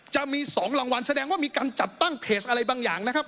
จะมี๒รางวัลแสดงว่ามีการจัดตั้งเพจอะไรบางอย่างนะครับ